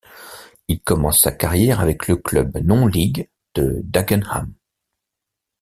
Il commence sa carrière avec le club non league de Dagenham.